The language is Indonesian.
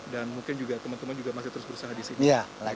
dan mungkin juga teman teman masih terus berusaha disini